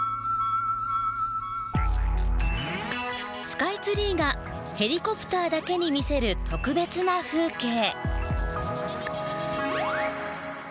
スカイツリーがヘリコプターだけに見せる特別な風景。